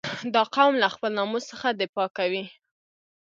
• دا قوم له خپل ناموس څخه دفاع کوي.